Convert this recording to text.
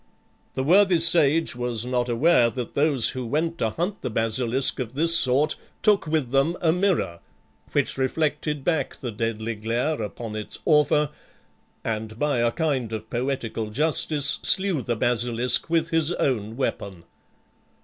The worthy sage was not aware that those who went to hunt the basilisk of this sort took with them a mirror, which reflected back the deadly glare upon its author, and by a kind of poetical justice slew the basilisk with his own weapon.